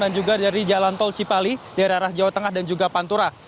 dan juga dari jalan tol cipali dari arah jawa tengah dan juga pantura